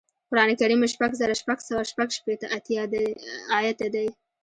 قران کریم شپږ زره شپږ سوه شپږشپېته ایاته دی